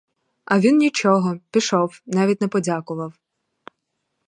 А він нічого, пішов, навіть не подякував.